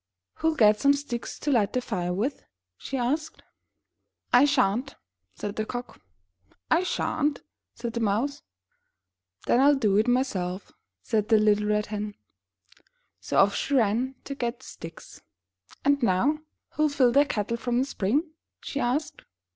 "Who'll get some sticks to light the fire with?" she asked. O 13 MY BOOK HOUSE 'I shan't," said the Cock. *'I shan't/' said the Mouse. 'Then ril do it myself," said the Httle Red Hen. So off she ran to get the sticks. ''And now, who'll fill the kettle from the spring?" she asked.